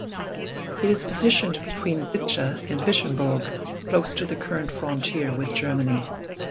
It is positioned between Bitche and Wissembourg, close to the current frontier with Germany.